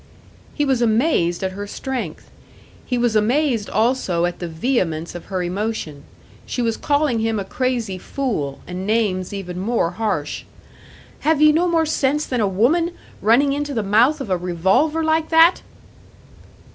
He was amazed at her strength. He was amazed also at the vehemence of her emotion. She was calling him a crazy fool, and names even more harsh. "Have ye no more sense than a woman? Running into the mouth of a revolver like that!"